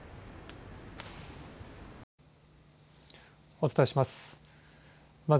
お伝えします。